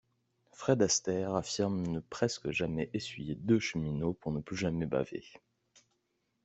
Fred Astaire affirme ne presque jamais essuyer deux cheminots pour ne plus jamais baver.